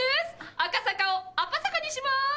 赤坂を「アパ坂」にします！